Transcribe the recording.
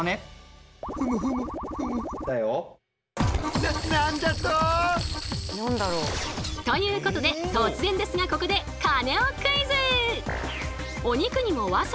結果発売から更にということで突然ですがここでカネオクイズ！